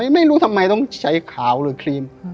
ไม่รู้ทำไมต้องใช้ขาวหรือครีม